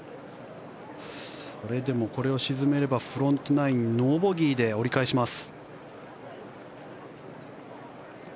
それでもこれを沈めればフロントナインノーボギーで折り返します。